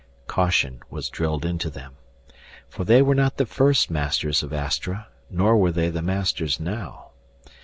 Caution was drilled into them. For they were not the first masters of Astra, nor were they the masters now.